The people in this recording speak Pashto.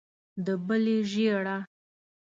د بلې ژېړه.